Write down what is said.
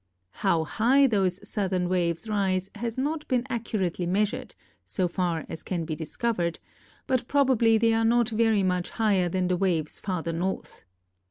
How high those southern waves rise has not been accurately measured, so far as can be discovered; but probably they are not very much higher than the waves farther north.